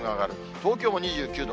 東京も２９度。